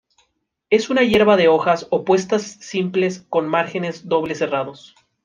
Es una hierba de hojas opuestas simples con márgenes doble serrados.